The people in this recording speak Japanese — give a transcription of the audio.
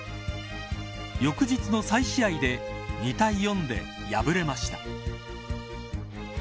翌日の再試合で２対４で敗れました。